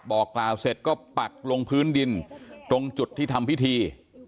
บอกกล่าวเสร็จก็ปักลงพื้นดินตรงจุดที่ทำพิธี